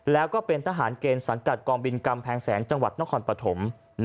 แล้วก็เป็นทหารเกณฑ์สังกัดกองบินกำแพงแสนจังหวัดนครปฐม